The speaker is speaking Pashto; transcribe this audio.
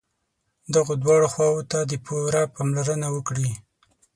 دغو دواړو خواوو ته دې پوره پاملرنه وکړي.